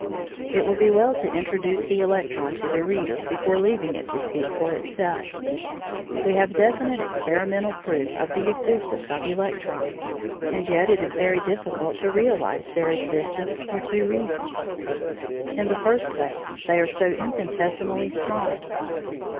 It will be well to introduce the electron to the reader before leaving it to speak for itself. We have definite experimental proof of the existence of electrons, and yet it is very difficult to realise their existence, for two reasons. In the first place, they are so infinitesimally small.